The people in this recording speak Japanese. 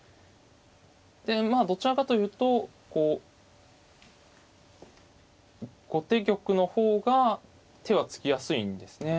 でまあどちらかというと後手玉の方が手はつきやすいんですね。